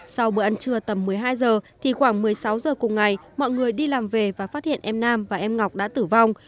sau bữa ăn trưa tầm một mươi hai giờ thì khoảng một mươi sáu giờ cùng ngày mọi người đi làm về và phát hiện em nam và em ngọc đã tử vong